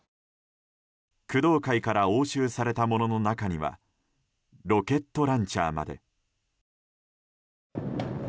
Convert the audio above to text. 工藤会から押収されたものの中にはロケットランチャーまで。